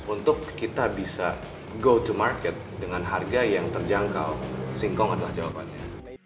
untuk kita bisa go to market dengan harga yang terjangkau singkong adalah jawabannya